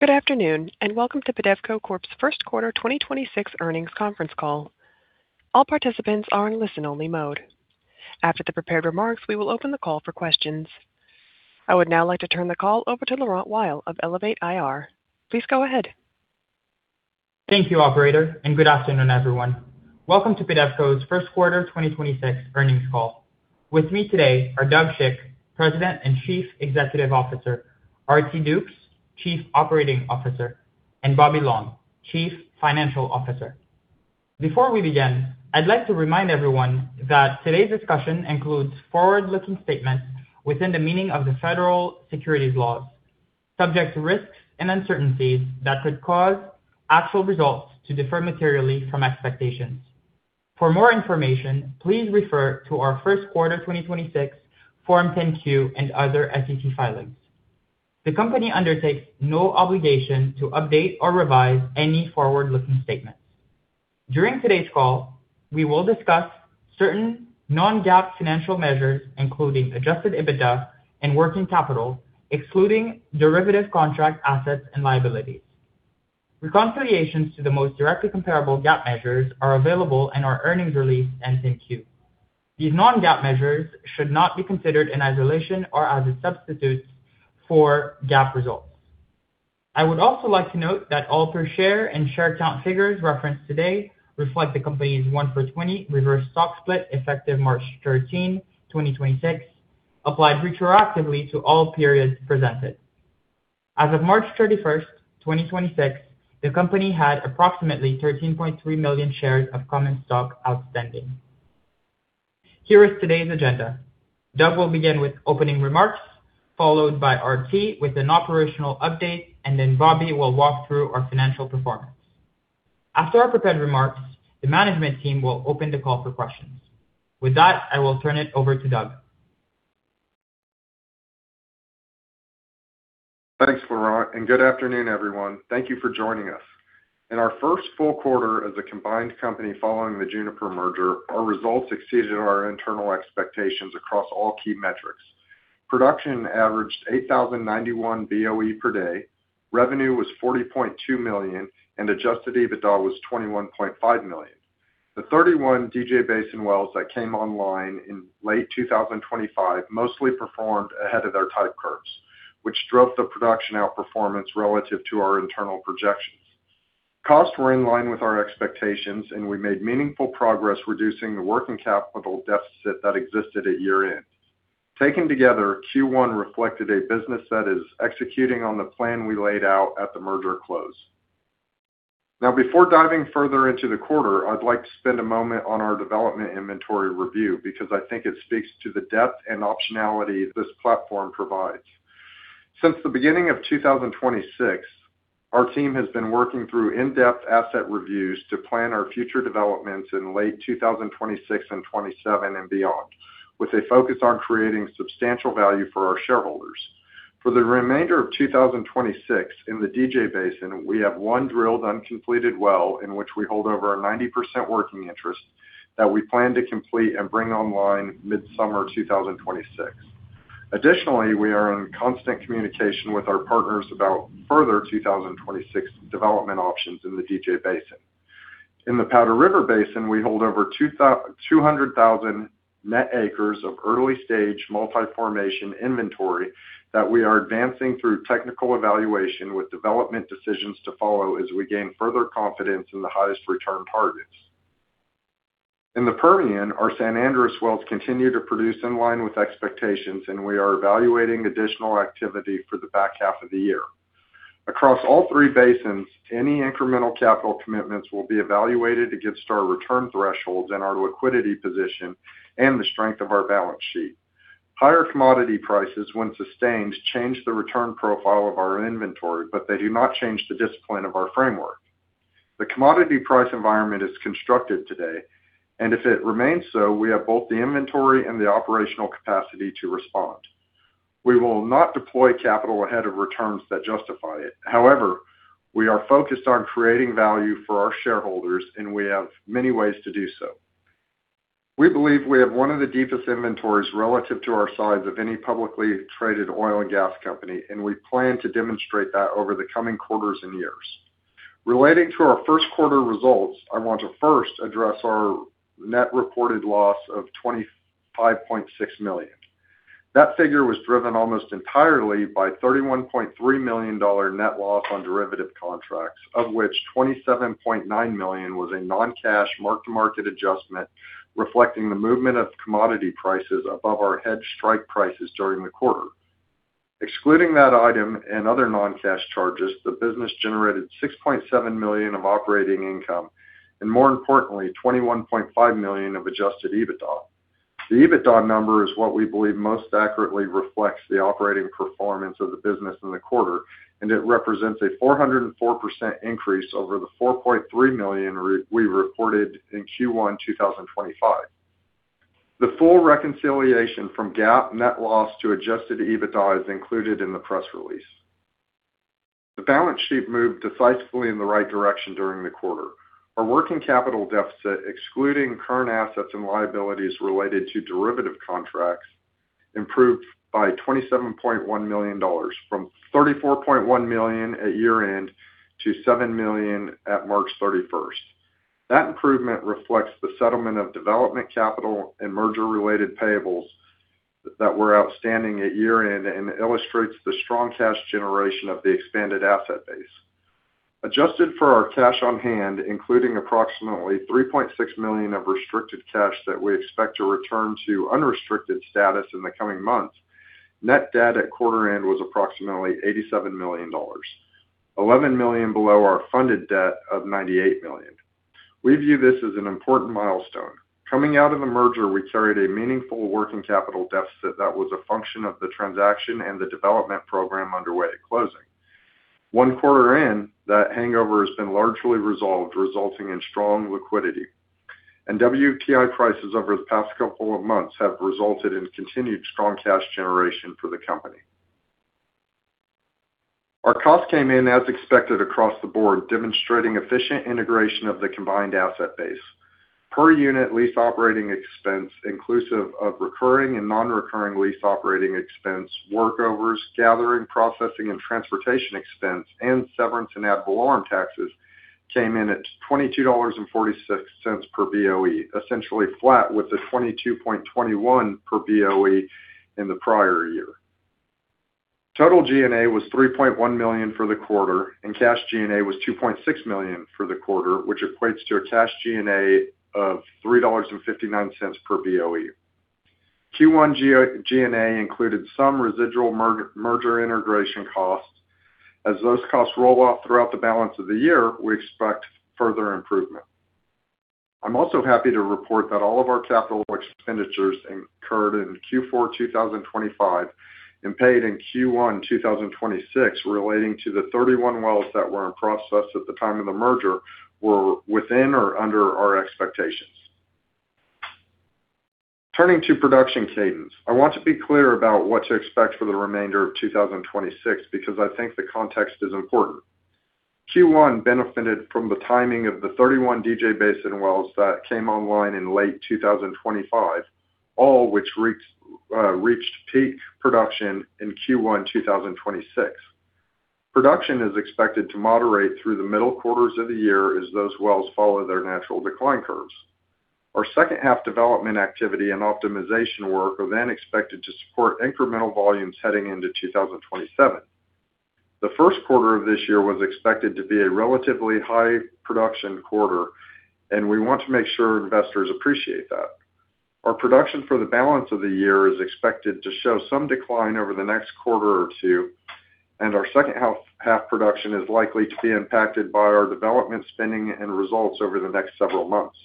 Good afternoon, welcome to PEDEVCO Corp's first quarter 2026 earnings conference call. All participants are in listen only mode. After the prepared remarks, we will open the call for questions. I would now like to turn the call over to Laurent Weil of Elevate IR. Please go ahead. Thank you, operator. Good afternoon, everyone. Welcome to PEDEVCO's first quarter 2026 earnings call. With me today are Doug Schick, President and Chief Executive Officer; R.T. Dukes, Chief Operating Officer; and Bobby Long, Chief Financial Officer. Before we begin, I'd like to remind everyone that today's discussion includes forward-looking statements within the meaning of the Federal Securities Laws, subject to risks and uncertainties that could cause actual results to differ materially from expectations. For more information, please refer to our first quarter 2026 Form 10-Q and other SEC filings. The company undertakes no obligation to update or revise any forward-looking statements. During today's call, we will discuss certain non-GAAP financial measures, including Adjusted EBITDA and working capital, excluding derivative contract assets and liabilities. Reconciliations to the most directly comparable GAAP measures are available in our earnings release and 10-Q. These non-GAAP measures should not be considered in isolation or as a substitute for GAAP results. I would also like to note that all per share and share count figures referenced today reflect the company's 1-for-20 reverse stock split effective March 13, 2026, applied retroactively to all periods presented. As of March 31st, 2026, the company had approximately 13.3 million shares of common stock outstanding. Here is today's agenda. Doug will begin with opening remarks, followed by R.T. with an operational update. Then Bobby will walk through our financial performance. After our prepared remarks, the management team will open the call for questions. With that, I will turn it over to Doug. Thanks, Laurent, and good afternoon, everyone. Thank you for joining us. In our first full quarter as a combined company following the Juniper merger, our results exceeded our internal expectations across all key metrics. Production averaged 8,091 BOE per day, revenue was $40.2 million, and Adjusted EBITDA was $21.5 million. The 31 DJ Basin wells that came online in late 2025 mostly performed ahead of their type curves, which drove the production outperformance relative to our internal projections. Costs were in line with our expectations, and we made meaningful progress reducing the working capital deficit that existed at year end. Taken together, Q1 reflected a business that is executing on the plan we laid out at the merger close. Before diving further into the quarter, I'd like to spend a moment on our development inventory review because I think it speaks to the depth and optionality this platform provides. Since the beginning of 2026, our team has been working through in-depth asset reviews to plan our future developments in late 2026 and 2027 and beyond, with a focus on creating substantial value for our shareholders. For the remainder of 2026, in the DJ Basin, we have one drilled, uncompleted well in which we hold over a 90% working interest that we plan to complete and bring online mid-summer 2026. Additionally, we are in constant communication with our partners about further 2026 development options in the DJ Basin. In the Powder River Basin, we hold over 200,000 net acres of early-stage multi-formation inventory that we are advancing through technical evaluation with development decisions to follow as we gain further confidence in the highest return targets. In the Permian, our San Andres wells continue to produce in line with expectations, we are evaluating additional activity for the back half of the year. Across all three basins, any incremental capital commitments will be evaluated against our return thresholds and our liquidity position and the strength of our balance sheet. Higher commodity prices, when sustained, change the return profile of our inventory, they do not change the discipline of our framework. The commodity price environment is constructed today, if it remains so, we have both the inventory and the operational capacity to respond. We will not deploy capital ahead of returns that justify it. However, we are focused on creating value for our shareholders, and we have many ways to do so. We believe we have one of the deepest inventories relative to our size of any publicly traded oil and gas company, and we plan to demonstrate that over the coming quarters and years. Relating to our first quarter results, I want to first address our net reported loss of $25.6 million. That figure was driven almost entirely by $31.3 million net loss on derivative contracts, of which $27.9 million was a non-cash mark-to-market adjustment reflecting the movement of commodity prices above our hedge strike prices during the quarter. Excluding that item and other non-cash charges, the business generated $6.7 million of operating income and, more importantly, $21.5 million of Adjusted EBITDA. The EBITDA number is what we believe most accurately reflects the operating performance of the business in the quarter, and it represents a 404% increase over the $4.3 million we reported in Q1 2025. The full reconciliation from GAAP net loss to Adjusted EBITDA is included in the press release. The balance sheet moved decisively in the right direction during the quarter. Our working capital deficit, excluding current assets and liabilities related to derivative contracts, improved by $27.1 million from $34.1 million at year end to $7 million at March 31st. That improvement reflects the settlement of development capital and merger related payables that were outstanding at year end and illustrates the strong cash generation of the expanded asset base. Adjusted for our cash on hand, including approximately $3.6 million of restricted cash that we expect to return to unrestricted status in the coming months, net debt at quarter end was approximately $87 million, $11 million below our funded debt of $98 million. We view this as an important milestone. Coming out of the merger, we carried a meaningful working capital deficit that was a function of the transaction and the development program underway at closing. One quarter in, that hangover has been largely resolved, resulting in strong liquidity. WTI prices over the past couple of months have resulted in continued strong cash generation for the company. Our cost came in as expected across the board, demonstrating efficient integration of the combined asset base. Per unit lease operating expense, inclusive of recurring and non-recurring lease operating expense, workovers, gathering, processing and transportation expense, and severance and ad valorem taxes came in at $22.46 per BOE, essentially flat with the $22.21 per BOE in the prior year. Total G&A was $3.1 million for the quarter, and cash G&A was $2.6 million for the quarter, which equates to a cash G&A of $3.59 per BOE. Q1 G&A included some residual merger integration costs. As those costs roll off throughout the balance of the year, we expect further improvement. I'm also happy to report that all of our capital expenditures incurred in Q4 2025 and paid in Q1 2026 relating to the 31 wells that were in process at the time of the merger were within or under our expectations. Turning to production cadence, I want to be clear about what to expect for the remainder of 2026 because I think the context is important. Q1 benefited from the timing of the 31 DJ Basin wells that came online in late 2025, all which reached peak production in Q1 2026. Production is expected to moderate through the middle quarters of the year as those wells follow their natural decline curves. Our second half development activity and optimization work are then expected to support incremental volumes heading into 2027. The first quarter of this year was expected to be a relatively high production quarter, and we want to make sure investors appreciate that. Our production for the balance of the year is expected to show some decline over the next quarter or two, and our second half production is likely to be impacted by our development spending and results over the next several months.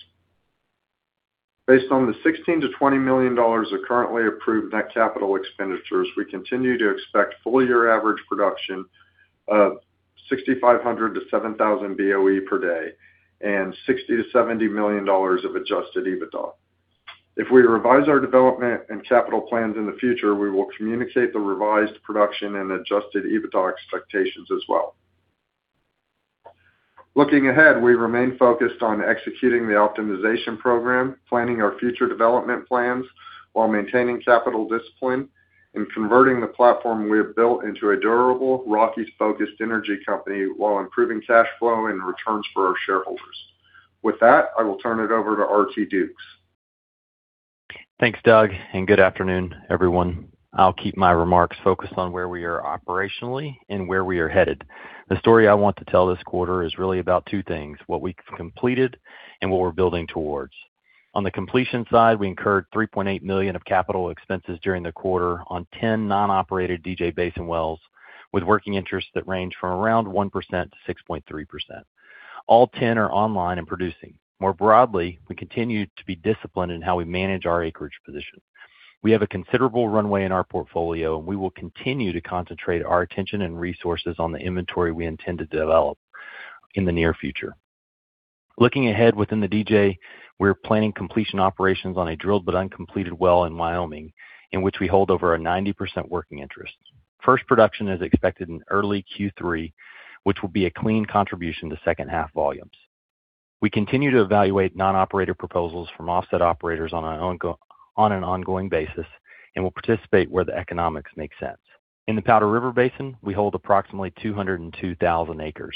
Based on the $16 million-$20 million of currently approved net capital expenditures, we continue to expect full year average production of 6,500 BOE-7,000 BOE per day and $60 million-$70 million of Adjusted EBITDA. If we revise our development and capital plans in the future, we will communicate the revised production and Adjusted EBITDA expectations as well. Looking ahead, we remain focused on executing the optimization program, planning our future development plans while maintaining capital discipline and converting the platform we have built into a durable Rockies-focused energy company while improving cash flow and returns for our shareholders. With that, I will turn it over to R.T. Dukes. Thanks, Doug, and good afternoon, everyone. I'll keep my remarks focused on where we are operationally and where we are headed. The story I want to tell this quarter is really about two things, what we've completed and what we're building towards. On the completion side, we incurred $3.8 million of capital expenses during the quarter on 10 non-operated DJ basin wells with working interests that range from around 1%-6.3%. All 10 are online and producing. More broadly, we continue to be disciplined in how we manage our acreage position. We have a considerable runway in our portfolio, and we will continue to concentrate our attention and resources on the inventory we intend to develop in the near future. Looking ahead within the DJ, we're planning completion operations on a drilled but uncompleted well in Wyoming, in which we hold over a 90% working interest. First production is expected in early Q3, which will be a clean contribution to second half volumes. We continue to evaluate non-operator proposals from offset operators on an ongoing basis and will participate where the economics make sense. In the Powder River Basin, we hold approximately 202,000 acres.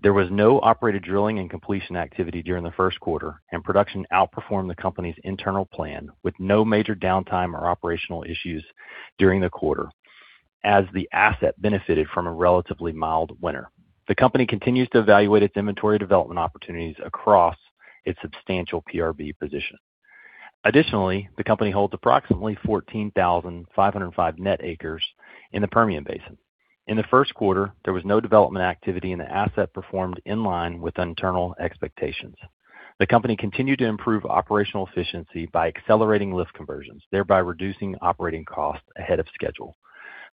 There was no operated drilling and completion activity during the first quarter, and production outperformed the company's internal plan with no major downtime or operational issues during the quarter as the asset benefited from a relatively mild winter. The company continues to evaluate its inventory development opportunities across its substantial PRB position. Additionally, the company holds approximately 14,505 net acres in the Permian Basin. In the first quarter, there was no development activity, and the asset performed in line with internal expectations. The company continued to improve operational efficiency by accelerating lift conversions, thereby reducing operating costs ahead of schedule.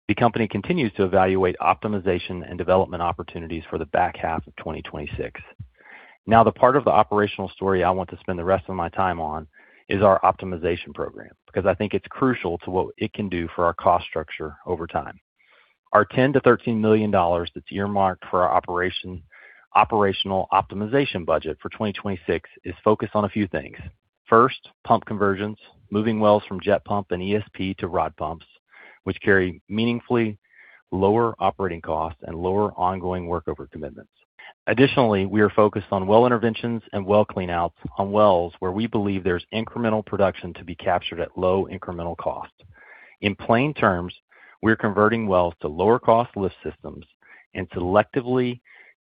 The company continues to evaluate optimization and development opportunities for the back half of 2026. Now, the part of the operational story I want to spend the rest of my time on is our optimization program because I think it's crucial to what it can do for our cost structure over time. Our $10 million-$13 million that's earmarked for our operational optimization budget for 2026 is focused on a few things. First, pump conversions, moving wells from jet pump and ESP to rod pumps, which carry meaningfully lower operating costs and lower ongoing workover commitments. Additionally, we are focused on well interventions and well cleanouts on wells where we believe there's incremental production to be captured at low incremental cost. In plain terms, we're converting wells to lower cost lift systems and selectively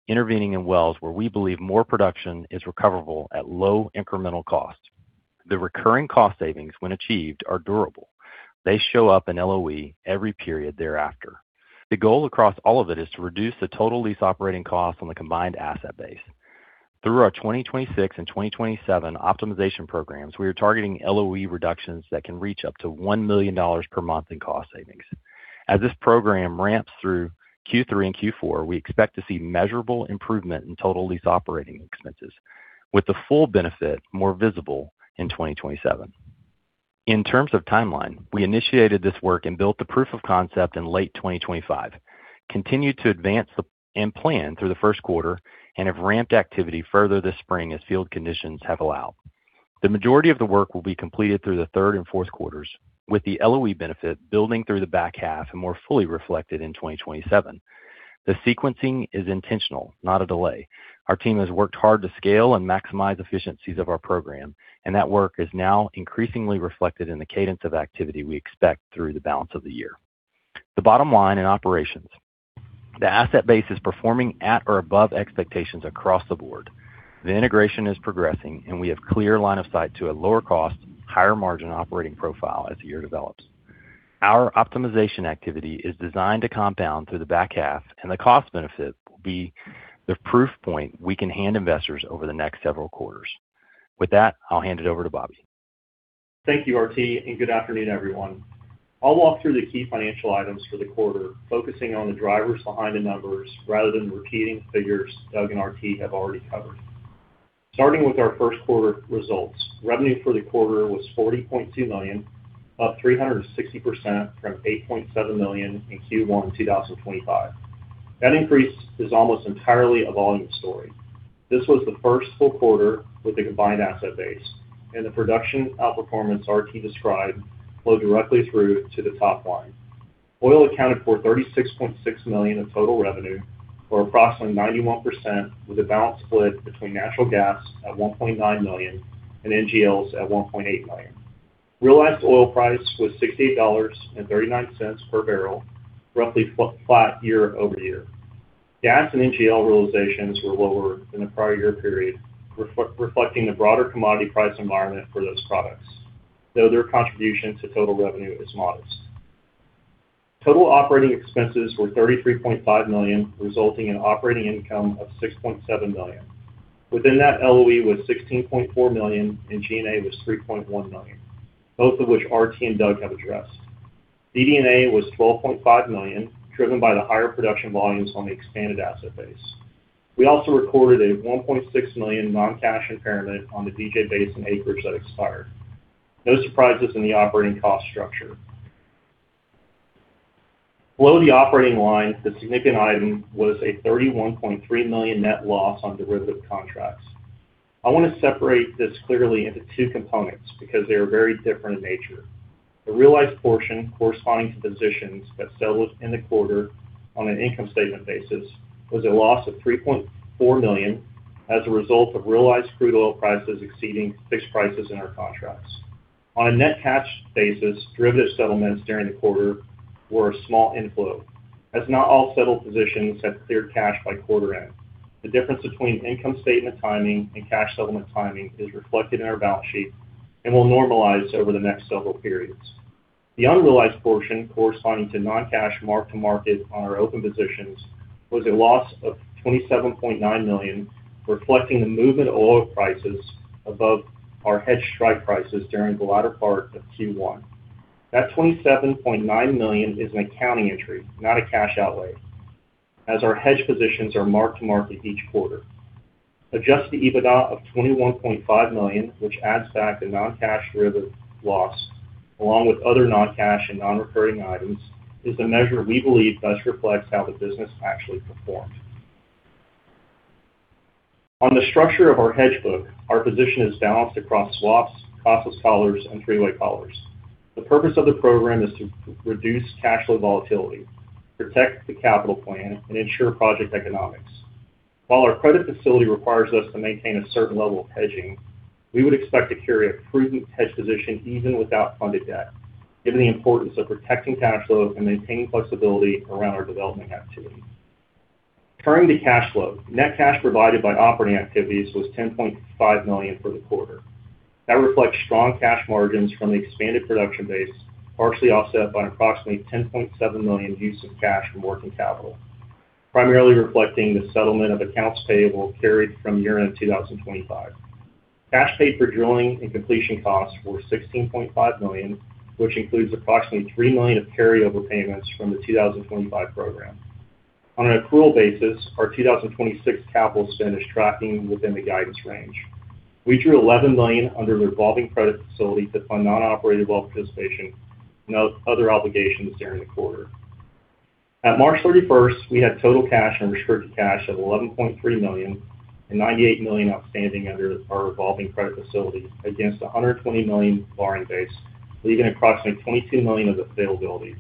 intervening in wells where we believe more production is recoverable at low incremental cost. The recurring cost savings when achieved are durable. They show up in LOE every period thereafter. The goal across all of it is to reduce the total lease operating costs on the combined asset base. Through our 2026 and 2027 optimization programs, we are targeting LOE reductions that can reach up to $1 million per month in cost savings. As this program ramps through Q3 and Q4, we expect to see measurable improvement in total lease operating expenses, with the full benefit more visible in 2027. In terms of timeline, we initiated this work and built the proof of concept in late 2025, continued to advance and plan through the first quarter, and have ramped activity further this spring as field conditions have allowed. The majority of the work will be completed through the third and fourth quarters, with the LOE benefit building through the back half and more fully reflected in 2027. The sequencing is intentional, not a delay. Our team has worked hard to scale and maximize efficiencies of our program, and that work is now increasingly reflected in the cadence of activity we expect through the balance of the year. The bottom-line in operations, the asset base is performing at or above expectations across the board. The integration is progressing, and we have clear line of sight to a lower cost, higher margin operating profile as the year develops. Our optimization activity is designed to compound through the back half, and the cost benefit will be the proof point we can hand investors over the next several quarters. With that, I'll hand it over to Bobby. Thank you, R.T., and good afternoon, everyone. I'll walk through the key financial items for the quarter, focusing on the drivers behind the numbers rather than repeating figures Doug and R.T. have already covered. Starting with our first quarter results, revenue for the quarter was $40.2 million, up 360% from $8.7 million in Q1 2025. That increase is almost entirely a volume story. This was the first full quarter with a combined asset base, and the production outperformance R.T. described flowed directly through to the top line. Oil accounted for $36.6 million in total revenue, or approximately 91%, with a balance split between natural gas at $1.9 million and NGLs at $1.8 million. Realized oil price was $68.39 per bbl, roughly flat year-over-year. Gas and NGL realizations were lower than the prior year period, reflecting the broader commodity price environment for those products, though their contribution to total revenue is modest. Total operating expenses were $33.5 million, resulting in operating income of $6.7 million. Within that, LOE was $16.4 million and G&A was $3.1 million, both of which R.T. and Doug have addressed. DD&A was $12.5 million, driven by the higher production volumes on the expanded asset base. We also recorded a $1.6 million non-cash impairment on the DJ Basin acreage that expired. No surprises in the operating cost structure. Below the operating line, the significant item was a $31.3 million net loss on derivative contracts. I want to separate this clearly into two components because they are very different in nature. The realized portion corresponding to positions that settled in the quarter on an income statement basis was a loss of $3.4 million as a result of realized crude oil prices exceeding fixed prices in our contracts. On a net cash basis, derivative settlements during the quarter were a small inflow, as not all settled positions have cleared cash by quarter end. The difference between income statement timing and cash settlement timing is reflected in our balance sheet and will normalize over the next several periods. The unrealized portion corresponding to non-cash mark-to-market on our open positions was a loss of $27.9 million, reflecting the movement of oil prices above our hedge strike prices during the latter part of Q1. That $27.9 million is an accounting entry, not a cash outlay, as our hedge positions are mark-to-market each quarter. Adjusted EBITDA of $21.5 million, which adds back the non-cash derivative loss along with other non-cash and non-recurring items, is the measure we believe best reflects how the business actually performed. On the structure of our hedge book, our position is balanced across swaps, costless collars, and three-way collars. The purpose of the program is to reduce cash flow volatility, protect the capital plan, and ensure project economics. While our credit facility requires us to maintain a certain level of hedging, we would expect to carry a prudent hedge position even without funded debt, given the importance of protecting cash flow and maintaining flexibility around our development activities. Turning to cash flow, net cash provided by operating activities was $10.5 million for the quarter. That reflects strong cash margins from the expanded production base, partially offset by approximately $10.7 million use of cash from working capital, primarily reflecting the settlement of accounts payable carried from year end 2025. Cash paid for drilling and completion costs were $16.5 million, which includes approximately $3 million of carryover payments from the 2025 program. On an accrual basis, our 2026 capital spend is tracking within the guidance range. We drew $11 million under the revolving credit facility to fund non-operated well participation and other obligations during the quarter. At March 31st, we had total cash and restricted cash of $11.3 million and $98 million outstanding under our revolving credit facility against a $120 million borrowing base, leaving approximately $22 million of availability.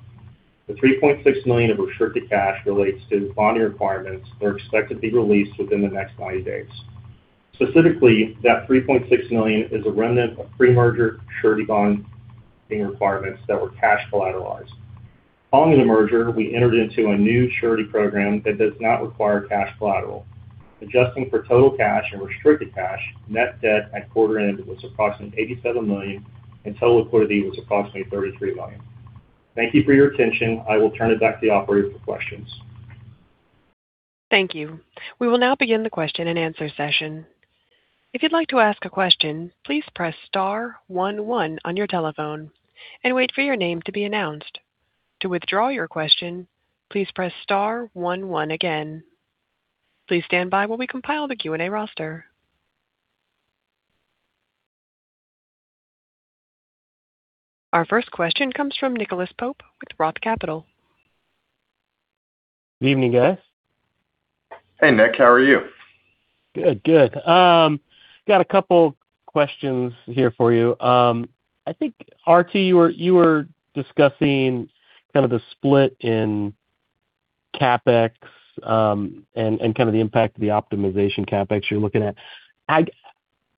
The $3.6 million of restricted cash relates to bonding requirements that are expected to be released within the next 90 days. Specifically, that $3.6 million is a remnant of pre-merger surety bond requirements that were cash collateralized. Following the merger, we entered into a new surety program that does not require cash collateral. Adjusting for total cash and restricted cash, net debt at quarter end was approximately $87 million, and total liquidity was approximately $33 million. Thank you for your attention. I will turn it back to the operator for questions. Thank you. We will now begin the question and answer session. If you'd like to ask a question, please press star one one on your telephone and wait for your name to be announced. To withdraw your question, please press star one one again. Please stand by while we compile the Q&A roster. Our first question comes from Nicholas Pope with Roth Capital. Evening, guys. Hey, Nick. How are you? Good, good. Got a couple questions here for you. I think, R.T., you were discussing kind of the split in CapEx, and kind of the impact of the optimization CapEx you're looking at. I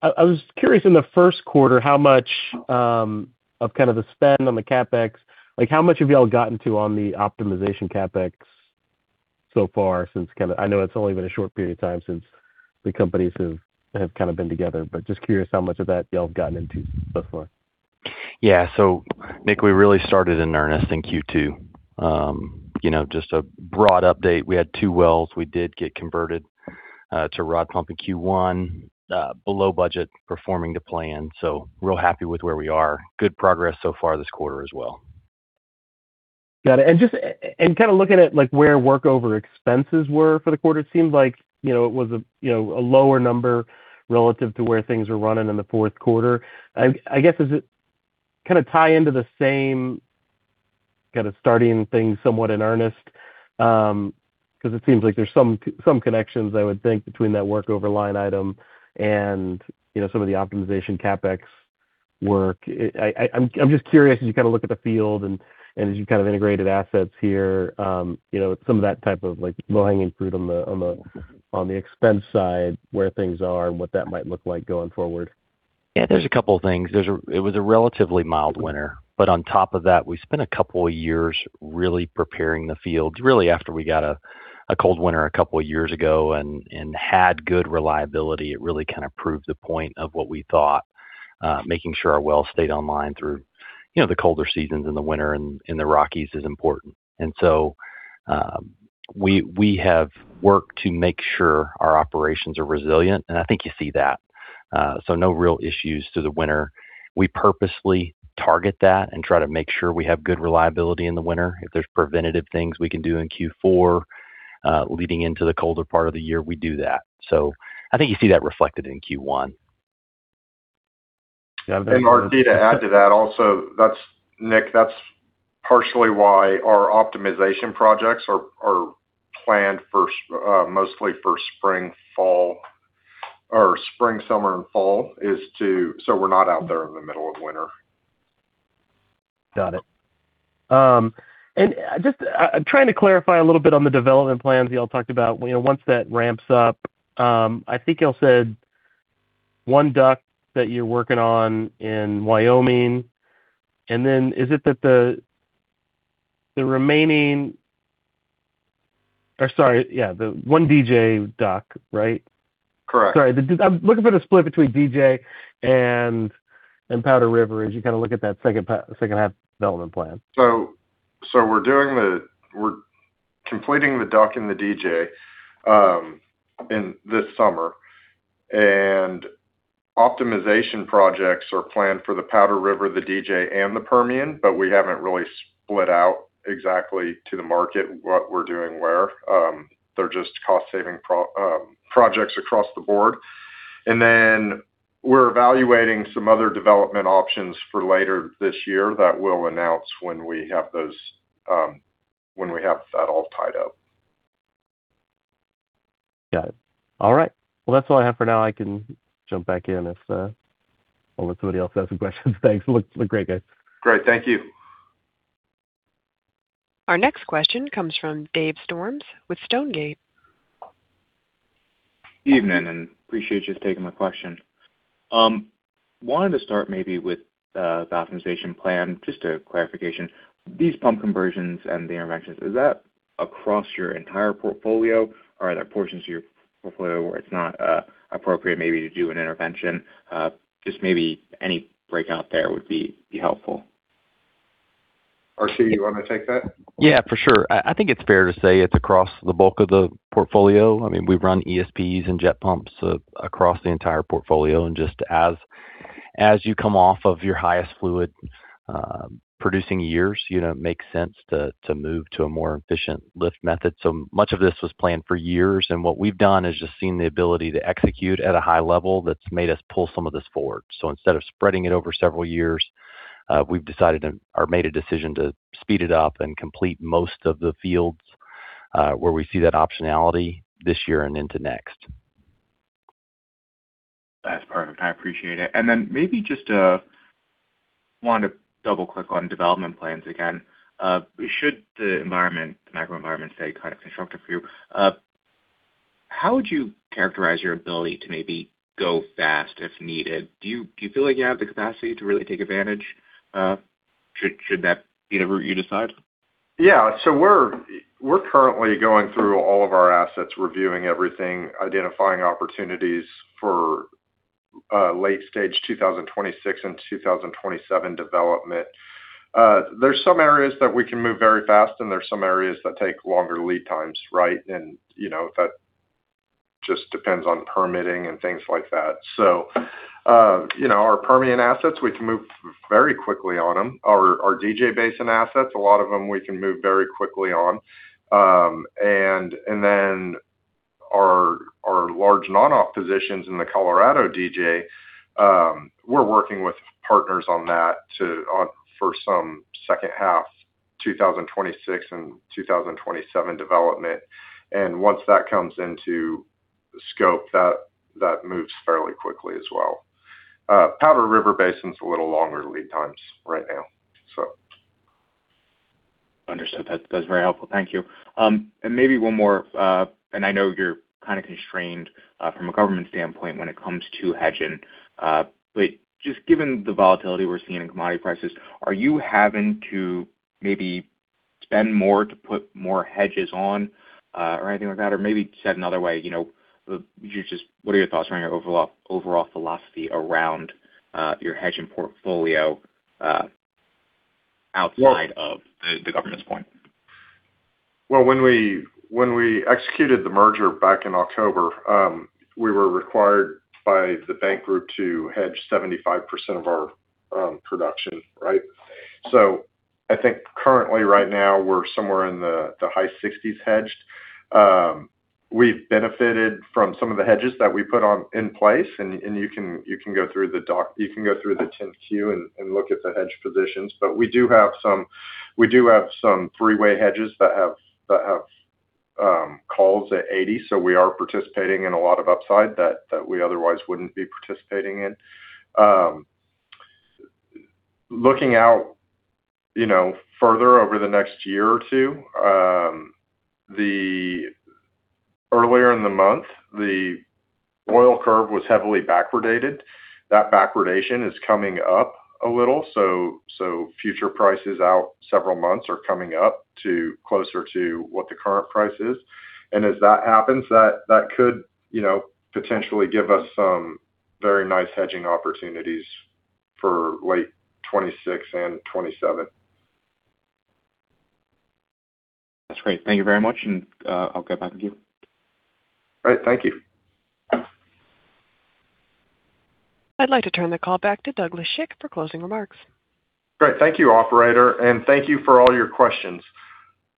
was curious in the first quarter how much of kind of the spend on the CapEx, like, how much have y'all gotten to on the optimization CapEx so far since kinda I know it's only been a short period of time since the companies have kind of been together, but just curious how much of that y'all have gotten into so far. Yeah. Nick, we really started in earnest in Q2. You know, just a broad update. We had two wells we did get converted to rod pump in Q1, below budget performing to plan, real happy with where we are. Good progress so far this quarter as well. Just, and kinda looking at, like, where workover expenses were for the quarter, it seems like, you know, it was a, you know, lower number relative to where things were running in the fourth quarter. I guess, does it kinda tie into the same kinda starting things somewhat in earnest? 'Cause it seems like there's some connections, I would think, between that workover line item and, you know, some of the optimization CapEx work. I'm just curious as you kinda look at the field and as you've kind of integrated assets here, you know, some of that type of, like, low-hanging fruit on the expense side, where things are and what that might look like going forward. Yeah. There's a couple of things. It was a relatively mild winter, on top of that, we spent a couple of years really preparing the fields, really after we got a cold winter a couple of years ago and had good reliability. It really kind of proved the point of what we thought, making sure our wells stayed online through, you know, the colder seasons in the winter and in the Rockies is important. We have worked to make sure our operations are resilient, I think you see that. No real issues through the winter. We purposely target that and try to make sure we have good reliability in the winter. If there's preventative things we can do in Q4, leading into the colder part of the year, we do that. I think you see that reflected in Q1. R.T., to add to that also, that's Nick, that's partially why our optimization projects are planned mostly for spring, fall or spring, summer and fall, is so we're not out there in the middle of winter. Got it. I'm trying to clarify a little bit on the development plans y'all talked about. You know, once that ramps up, I think y'all said one DUC that you're working on in Wyoming, and then is it that the remaining, or sorry, yeah, the one DJ DUC, right? Correct. Sorry. I'm looking for the split between DJ and Powder River as you kinda look at that second half development plan. We're completing the DUC in the DJ in this summer. Optimization projects are planned for the Powder River, the DJ, and the Permian, but we haven't really split out exactly to the market what we're doing where. They're just cost saving projects across the board. We're evaluating some other development options for later this year that we'll announce when we have those, when we have that all tied up. Got it. All right. Well, that's all I have for now. I can jump back in if I'll let somebody else ask some questions. Thanks. Look great, guys. Great. Thank you. Our next question comes from Dave Storms with Stonegate. Evening, appreciate you taking my question. Wanted to start maybe with the optimization plan, just a clarification. These pump conversions and the interventions, is that across your entire portfolio, or are there portions of your portfolio where it's not appropriate maybe to do an intervention? Just maybe any breakout there would be helpful. R.T., you wanna take that? Yeah, for sure. I think it's fair to say it's across the bulk of the portfolio. I mean, we run ESPs and jet pumps across the entire portfolio, and just as you come off of your highest fluid producing years, you know, it makes sense to move to a more efficient lift method. Much of this was planned for years, and what we've done is just seen the ability to execute at a high level that's made us pull some of this forward. Instead of spreading it over several years, we've decided or made a decision to speed it up and complete most of the fields where we see that optionality this year and into next. That's perfect. I appreciate it. Then maybe just wanted to double-click on development plans again. Should the environment, the macro environment stay kind of constructive for you, how would you characterize your ability to maybe go fast if needed? Do you feel like you have the capacity to really take advantage, should that be the route you decide? Yeah. We're currently going through all of our assets, reviewing everything, identifying opportunities for late stage 2026 and 2027 development. There's some areas that we can move very fast, and there's some areas that take longer lead times, right? You know, that just depends on permitting and things like that. You know, our Permian assets, we can move very quickly on them. Our DJ Basin assets, a lot of them we can move very quickly on. Our large non-op positions in the Colorado DJ, we're working with partners on that for some second half 2026 and 2027 development. Once that comes into scope, that moves fairly quickly as well. Powder River Basin's a little longer lead times right now. Understood. That's very helpful. Thank you. Maybe one more. I know you're kind of constrained from a government standpoint when it comes to hedging. Just given the volatility we're seeing in commodity prices, are you having to maybe spend more to put more hedges on or anything like that? Maybe said another way, you know, just what are your thoughts around your overall philosophy around your hedging portfolio outside of the government's point? Well, when we executed the merger back in October, we were required by the bank group to hedge 75% of our production, right? I think currently right now we're somewhere in the high 60s hedged. We've benefited from some of the hedges that we put on in place. You can go through the 10-Q and look at the hedge positions. We do have some three-way hedges that have calls at 80%, we are participating in a lot of upside that we otherwise wouldn't be participating in. Looking out, you know, further over the next year or two, earlier in the month, the oil curve was heavily backwardated. That backwardation is coming up a little, so future prices out several months are coming up to closer to what the current price is. As that happens, that could potentially give us some very nice hedging opportunities for late 2026 and 2027. That's great. Thank you very much. I'll get back with you. All right. Thank you. I'd like to turn the call back to Douglas Schick for closing remarks. Great. Thank you, operator, and thank you for all your questions.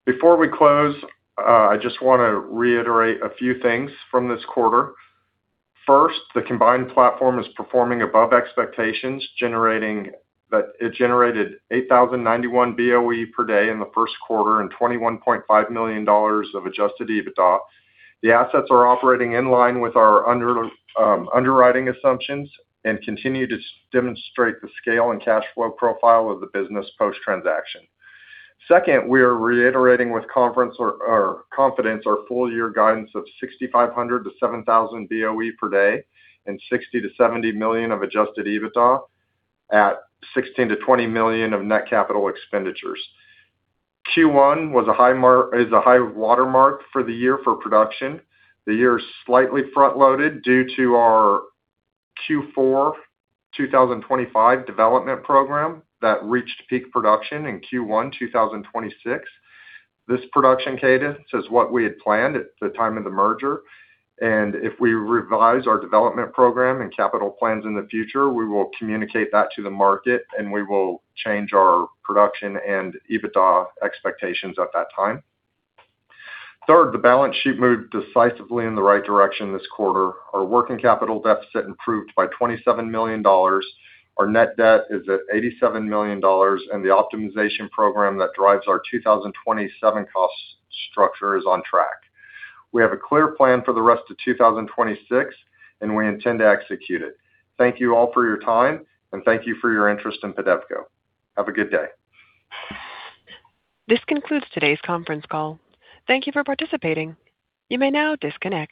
Before we close, I just want to reiterate a few things from this quarter. First, the combined platform is performing above expectations. It generated 8,091 BOE per day in the first quarter and $21.5 million of Adjusted EBITDA. The assets are operating in line with our underwriting assumptions and continue to demonstrate the scale and cash flow profile of the business post-transaction. Second, we are reiterating with confidence our full year guidance of 6,500 BOE-7,000 BOE per day and $60 million-$70 million of Adjusted EBITDA at $16 million-$20 million of net capital expenditures. Q1 was a high watermark for the year for production. The year is slightly front-loaded due to our Q4 2025 development program that reached peak production in Q1 2026. This production cadence is what we had planned at the time of the merger. If we revise our development program and capital plans in the future, we will communicate that to the market. We will change our production and EBITDA expectations at that time. Third, the balance sheet moved decisively in the right direction this quarter. Our working capital deficit improved by $27 million. Our net debt is at $87 million. The optimization program that drives our 2027 cost structure is on track. We have a clear plan for the rest of 2026. We intend to execute it. Thank you all for your time. Thank you for your interest in PEDEVCO. Have a good day. This concludes today's conference call. Thank you for participating. You may now disconnect.